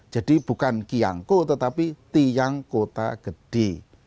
jadi bukan kiangko tetapi tiang kota gede